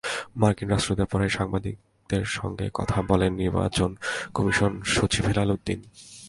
মার্কিন রাষ্ট্রদূতের পরেই সাংবাদিকদের সঙ্গে কথা বলেন নির্বাচন কমিশন সচিব হেলালুদ্দীন।